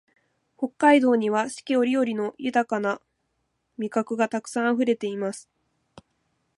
北海道には四季折々の豊な味覚がたくさんあふれています